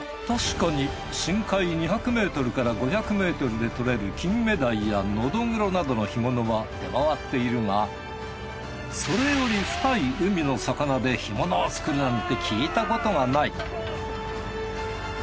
確かに深海２００ｍ５００ｍで獲れるキンメダイやノドグロなどの干物は出回っているがそれより深い海の魚で干物を作るなんて聞いたことがない。